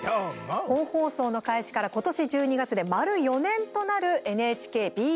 本放送の開始から今年１２月で丸４年となるＮＨＫＢＳ４Ｋ。